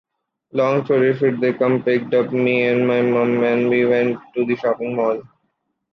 Long story should they came picked up me and my mum and we went to shopping mall.